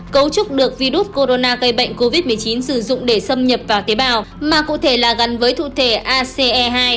cấu trúc được virus corona gây bệnh covid một mươi chín sử dụng để xâm nhập vào tế bào mà cụ thể là gắn với thu thể ace hai